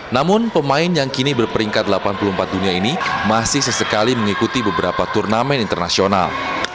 namun pemain yang kini berperingkat delapan puluh empat dunia ini masih sesekali mengikuti beberapa turnamen internasional